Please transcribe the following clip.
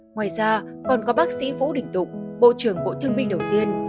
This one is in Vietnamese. ngoài ra còn có bác sĩ vũ đình tục bộ trưởng bộ thương binh đầu tiên